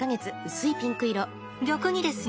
逆にですよ